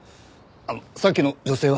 さっきの女性は？